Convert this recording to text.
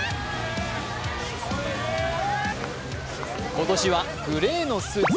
今年はグレーのスーツ。